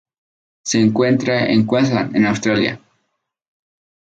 Se encuentra en Queensland en Australia.